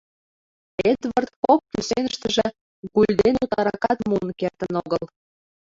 Эдвард кок кӱсеныштыже гульден утларакат муын кертын огыл.